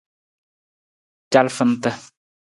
Calafanta.